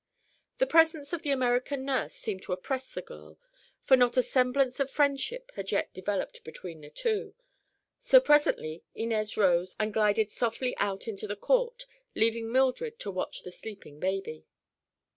The presence of the American nurse seemed to oppress the girl, for not a semblance of friendship had yet developed between the two; so presently Inez rose and glided softly out into the court, leaving Mildred to watch the sleeping baby.